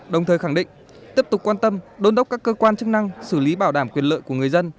đồng thời khẳng định tiếp tục quan tâm đôn đốc các cơ quan chức năng xử lý bảo đảm quyền lợi của người dân